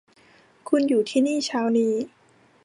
คุณอยู่ที่นี่เช้านี้